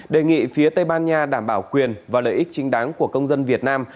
đề nghị phía tây ban nha đảm bảo quyền và lợi ích chính đáng của công dân việt nam